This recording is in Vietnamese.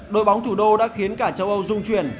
đội bóng thủ đô đã khiến cả châu âu dung chuyển